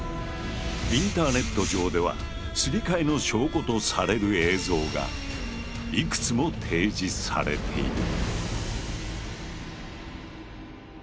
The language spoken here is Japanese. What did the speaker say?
インターネット上ではすり替えの証拠とされる映像がいくつも提示されている。